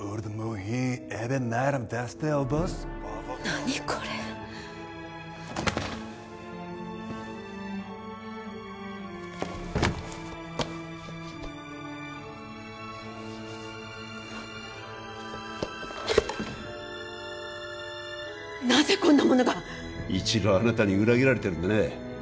何これなぜこんなものが一度あなたに裏切られてるんでね